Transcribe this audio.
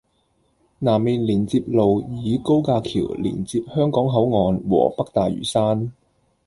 南面連接路以高架橋連接香港口岸和北大嶼山